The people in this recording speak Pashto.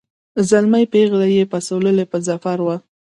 زلمی پېغله یې پسوللي په ظفر وه